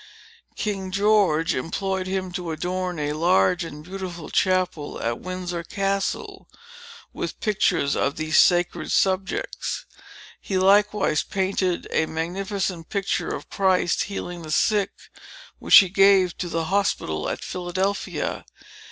King George employed him to adorn a large and beautiful chapel, at Windsor Castle, with pictures of these sacred subjects. He likewise painted a magnificent picture of Christ Healing the Sick, which he gave to the Hospital at Philadelphia.